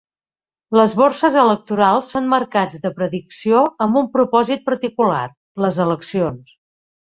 Les borses electorals són mercats de predicció amb un propòsit particular: les eleccions.